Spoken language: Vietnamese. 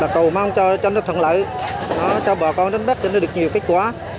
tàu mong cho nó thận lợi cho bà con đánh bắt cho nó được nhiều kết quả